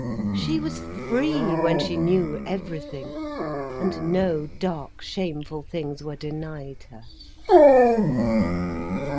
She was free, when she knew everything, and no dark shameful things were denied her.